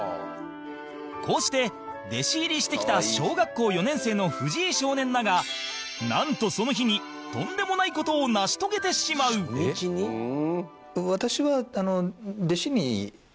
こうして、弟子入りしてきた小学校４年生の藤井少年だがなんと、その日にとんでもない事を成し遂げてしまう伊達：ええー！